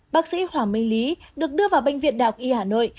bác sĩ hoàng minh lý được đưa vào bệnh viện đạo y hà nội